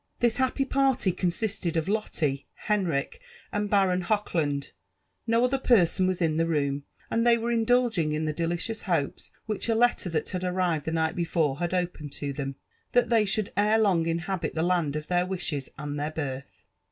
This happy party consisted of Lotte, Henrich, and the Baron Hoch land. No other person was in the room ; and they were indulging iq the delicious hopes which a letter that had arrived the night before, had opened to them, that they should ere long inhabit the land of their wishes and their birth.